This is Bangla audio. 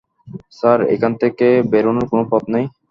স্যার, এখান থেকে বেরোনোর কোনো পথ নেই?